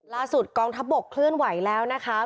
ล่าสุดกองทับบกเคลื่อนไหวแล้วนะคะ